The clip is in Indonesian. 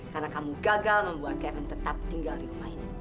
karena kamu gagal membuat kevin tetap tinggal di rumah ini